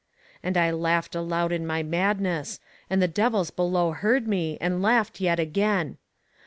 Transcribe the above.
And I laughed aloud in my madness, and the devils below heard me, and laughed yet again.